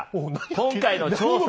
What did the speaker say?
今回の調査。